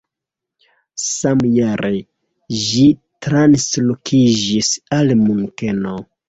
Samjare ĝi translokiĝis al Munkeno.